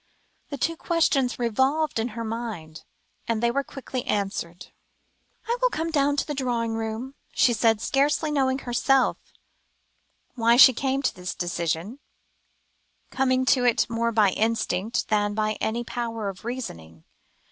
The two questions revolved in her mind, and they were quickly answered. "I will come down to the drawing room," she said, scarcely knowing herself why she came to this decision; coming to it more by instinct, than by any power of reasoning.